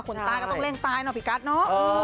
คนตายก็ต้องเร่งตายเนาะพี่กัดเนอะ